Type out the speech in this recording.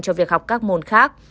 cho việc học các môn khác